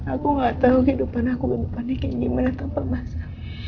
aku gak tahu kehidupan aku kehidupannya kayak gimana tanpa masa